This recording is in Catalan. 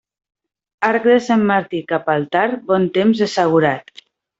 Arc de Sant Martí cap al tard, bon temps assegurat.